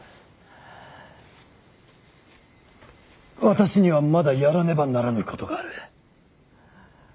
私にはまだやらねばならぬことがある。